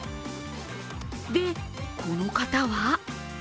で、この方は？